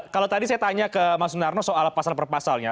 kalau tadi saya tanya ke mas narno soal pasal perpasalnya